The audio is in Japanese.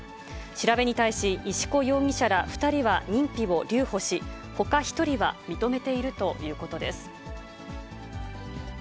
調べに対し石河容疑者ら２人は認否を留保し、ほか１人は認めているということです。